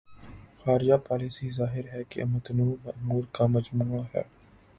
خارجہ پالیسی ظاہر ہے کہ متنوع امور کا مجموعہ ہے۔